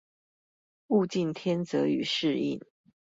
物競天擇與適應